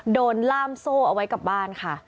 ล่ามโซ่เอาไว้กับบ้านค่ะ